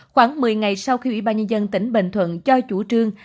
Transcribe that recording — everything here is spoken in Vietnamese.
khoảng một mươi ngày sau khi ủy ban nhân dân tỉnh bình thuận cho chủ trương